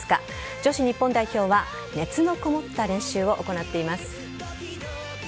女子日本代表は熱のこもった練習を行っています。